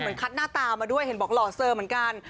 คัดหน้าตามาด้วยเห็นบอกหล่อเซอร์เหมือนกัน